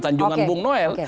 tanjungan bung noel